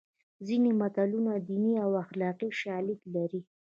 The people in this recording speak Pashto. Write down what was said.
ځینې متلونه دیني او اخلاقي شالید لري